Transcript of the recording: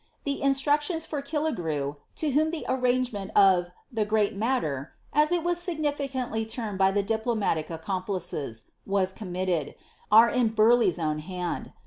The' instructions for Killigrew, to whom the arrangement of *'lhe great matter^'*^ as it was significantly termed by the diplomatic ac complices, was committed, are in Burleigh's own hand.'